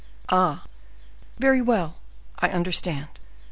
'" "Ah! very well, I understand.